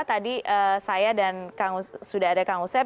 tadi saya dan sudah ada kang usep